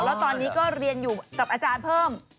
แล้วตอนนี้ก็เรียนอยู่กับอาจารย์เพิ่ม